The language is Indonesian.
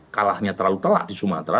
kalahnya terlalu telak di sumatera